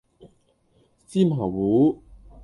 芝麻糊